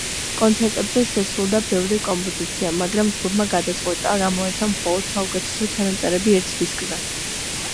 კონცერტებზე შესრულდა ბევრი კომპოზიცია, მაგრამ ჯგუფმა გადაწყვიტა, გამოეცა მხოლოდ საუკეთესო ჩანაწერები, ერთ დისკზე.